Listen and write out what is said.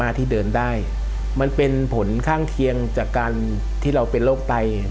ที่เดินได้มันเป็นผลข้างเคียงจากการที่เราเป็นโรคไต